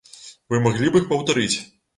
Вы маглі б іх паўтарыць?